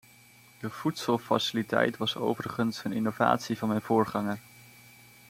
De voedselfaciliteit was overigens een innovatie van mijn voorganger.